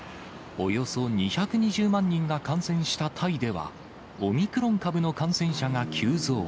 およそ２２０万人が感染したタイでは、オミクロン株の感染者が急増。